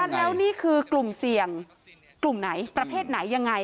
แล้วนี่คือกลุ่มเสี่ยงกลุ่มไหนประเภทไหนยังไง